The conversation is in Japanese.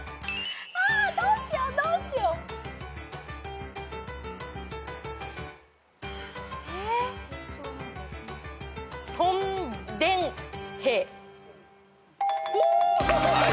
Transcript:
あどうしようどうしよう！え！？お！